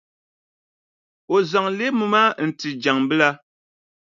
O zaŋ leemu maa n-ti Jaŋʼ bila.